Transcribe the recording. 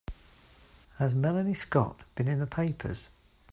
Has Melanie Scott been in the papers?